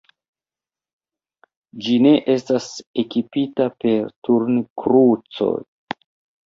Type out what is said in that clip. Ĝi ne estas ekipita per turnkrucoj.